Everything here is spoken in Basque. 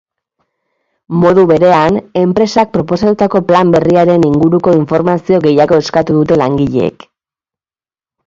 Modu berean, enpresak proposatutako plan berriaren inguruko informazio gehiago eskatu dute langileek.